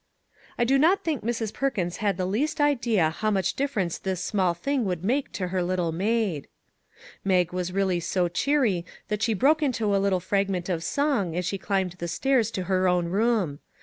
I do not think Mrs. Perkins had the least idea how much difference this small thing would make to her little maid. Mag was really so cheery that she broke into a little fragment of song as she climbed the stairs to her own room.